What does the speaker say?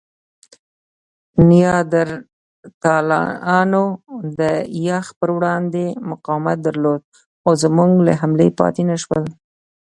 نیاندرتالانو د یخ پر وړاندې مقاومت درلود؛ خو زموږ له حملې پاتې نهشول.